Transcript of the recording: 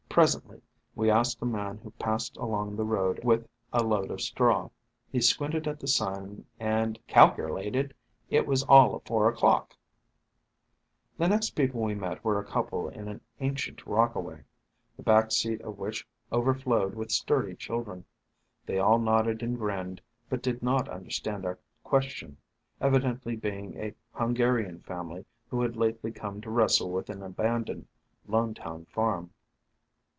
Presently we asked a man who passed along the road with a load of straw. He squinted at the sun and "calkerlated it was all of four o'clock" ! The next people we met were a couple in an ancient rockaway, the back seat of which over flowed with sturdy children. They all nodded and grinned, but did not understand our question, evidently being a Hungarian family who had lately come to wrestle with an abandoned Lonetown farm.